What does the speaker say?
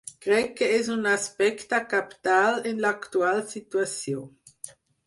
Crec que és un aspecte cabdal en l’actual situació.